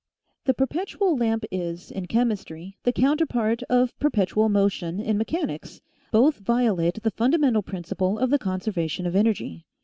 The perpetual lamp is, in chemistry, the counterpart of perpetual motion in mechanics both violate the funda mental principle of the conservation of energy.